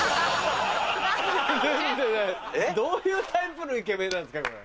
えっ？どういうタイプのイケメンなんすか？